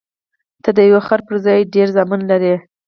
ته د یو خر پر ځای ډېر زامن لرې.